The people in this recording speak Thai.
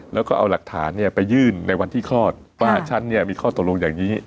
แล้วก็เอาหลักฐานไปยื่นในวันที่คลอดว่าฉันเนี่ยมีข้อตกลงอย่างนี้